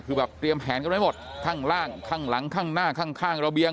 คือแบบเตรียมแผนกันไว้หมดข้างล่างข้างหลังข้างหน้าข้างระเบียง